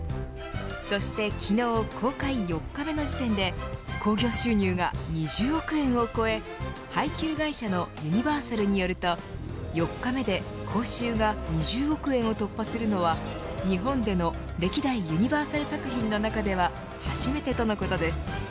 そして昨日、公開４日目の時点で興行収入が２０億円を超え配球会社のユニバーサルによると４日目で興収が２０億円を突破するのは日本での歴代ユニバーサル作品の中では初めてとのことです。